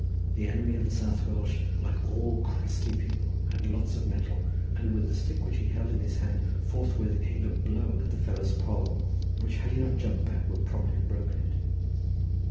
The enemy of the South Welsh, like all crusty people, had lots of mettle, and with the stick which he held in his hand forthwith aimed a blow at the fellow's poll, which, had he not jumped back, would probably have broken it.